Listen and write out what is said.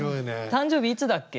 「誕生日いつだっけ？」